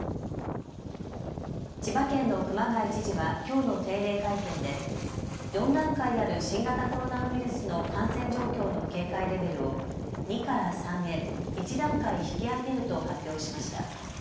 千葉県の熊谷知事はきょうの定例会見で４段階ある新型コロナウイルスの感染状況の警戒レベルを２から３へ１段階引き上げると発表しました。